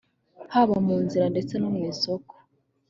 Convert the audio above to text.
haba mu nzira ndetse no mu isoko